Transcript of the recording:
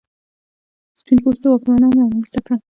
سپین پوستو واکمنانو رامنځته کړ.